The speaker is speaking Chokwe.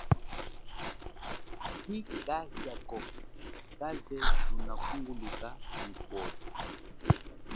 Hi kahia ko kaze nuna kunguluka nyi kota.